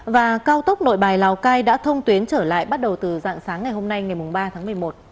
và cao tốc nội bài lào cai đã thông tuyến trở lại bắt đầu từ dạng sáng ngày hôm nay ngày ba tháng một mươi một